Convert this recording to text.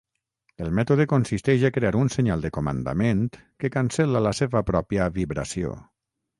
El mètode consisteix a crear un senyal de comandament que cancel·la la seva pròpia vibració.